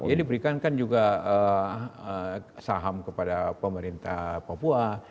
ya diberikan kan juga saham kepada pemerintah papua